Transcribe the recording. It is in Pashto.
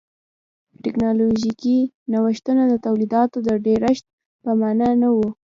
ټکنالوژیکي نوښتونه د تولیداتو د ډېرښت په معنا نه و.